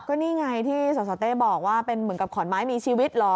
ก็นี่ไงที่สสเต้บอกว่าเป็นเหมือนกับขอนไม้มีชีวิตเหรอ